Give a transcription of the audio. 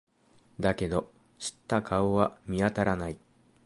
だけど、知った顔は見当たらない。